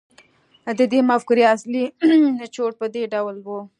د دې مفکورې اصلي نچوړ په دې ډول و